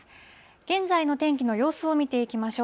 現在の天気の様子を見ていきましょう。